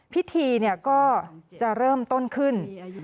พิธีก็จะเริ่มต้นขึ้น